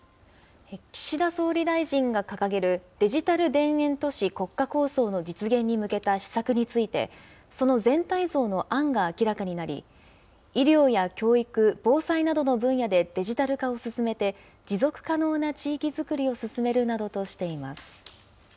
岸田総理大臣が掲げる、デジタル田園都市国家構想の実現に向けた施策について、その全体像の案が明らかになり、医療や教育、防災などの分野でデジタル化を進めて、持続可能な地域づくりを進めるなどとしています。